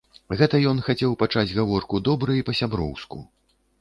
Гэта ён хацеў пачаць гаворку добра і па-сяброўску.